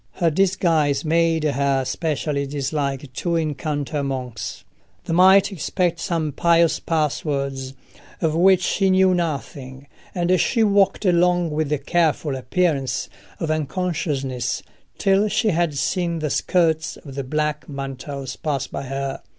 Her disguise made her especially dislike to encounter monks: they might expect some pious passwords of which she knew nothing, and she walked along with a careful appearance of unconsciousness till she had seen the skirts of the black mantles pass by her.